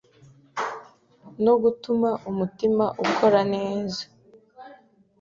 no gutuma umutima ukora neza